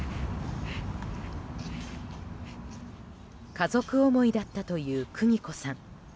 家族思いだったという邦子さん。